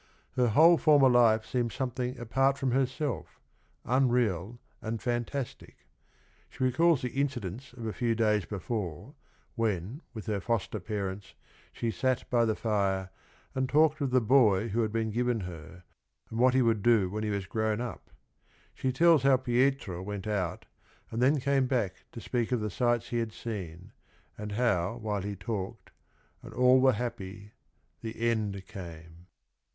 Her whole former life seems something apart from herself, unreal and fantastic. She recalls the incidents of a few days before, when, with her foster parents, she sat by the fire and talked of the boy who had been given her, and what he would do when he was grown up. She tells how Pietro went out and then came back to speak of the sights he had seen, and how while he talked, and all were happy, — the end came.